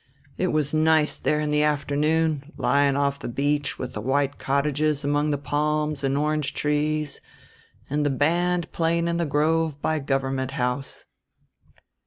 It was nice there in the afternoon, lying off the beach with the white cottages among the palms and orange trees and the band playing in the grove by Government House."